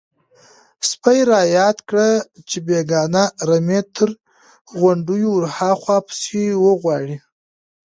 _سپي را ياده کړه چې بېګانۍ رمه تر غونډيو ورهاخوا پسې وغواړئ.